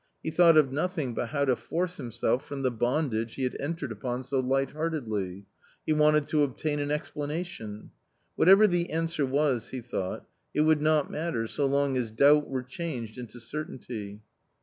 He thought of nothing but how to force himself from the bondage he had entered upon so light heartedly. He wanted to obtain an explanation. " Whatever the answer was," he thought, "it would not matter, so long as doubt were changed into certainty."